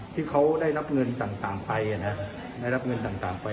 ที่เขาได้นับเงินต่างไปอ่ะนะได้นับเงินต่างไปมากมาย